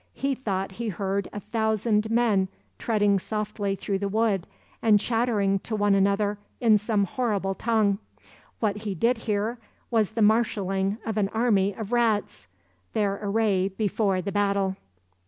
He thought he heard a thousand men treading softly through the wood and chattering to one another in some horrible tongue; what he did hear was the marshaling of an army of rats—their array before the battle.